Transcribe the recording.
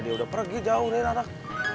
dia udah pergi jauh dari nada